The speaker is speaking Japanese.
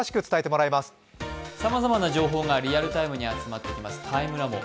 さまざまな情報がリアルタイムに集まってきますＴＩＭＥＬＡＢＯ。